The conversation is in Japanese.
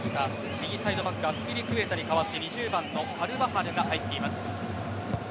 右サイドバックアスピリクエタに代わって２０番のカルヴァハルが入っています。